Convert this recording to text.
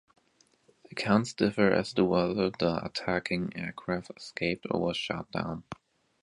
Accounts differ as to whether the attacking aircraft escaped or was shot down.